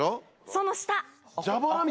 その下。